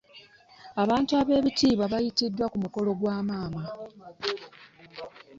Abantu b'ebitiibwa bayitidwa ku mukolo gwa maama.